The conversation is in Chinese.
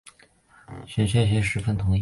谢玄亦十分同意。